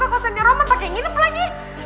kekosennya roman pake nginep lagi